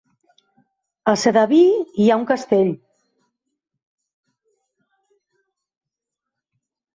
A Sedaví hi ha un castell?